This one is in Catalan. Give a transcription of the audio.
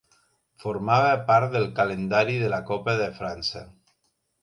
Formava part del calendari de la Copa de França.